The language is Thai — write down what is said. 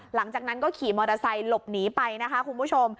หลังจากนั้นก็ขี่มอเตอร์ไซค์หลบหนีไปนะคะคุณผู้ชม